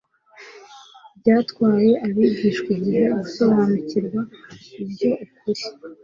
Byatwaye abigishwa igihe gusobariukirwa iby'uko kuri,